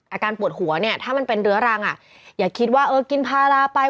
อาการปวดหัวเนี่ยถ้ามันเป็นเรื้อรังอย่าคิดว่าเออกินพาราไป